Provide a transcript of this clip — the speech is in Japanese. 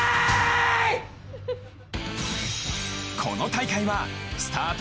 この大会はスタート